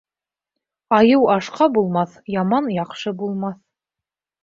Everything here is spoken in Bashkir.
Айыу ашҡа булмаҫ, яман яҡшы булмаҫ.